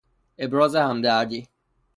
ابراز همدردی